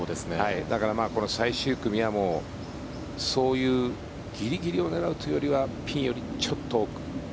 だから、この最終組はそういうギリギリを狙うというよりはピンよりちょっと奥。